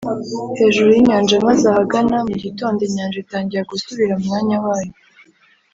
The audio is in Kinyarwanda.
Hejuru y inyanja maze ahagana mu gitondo inyanja itangira gusubira mu mwanya wayo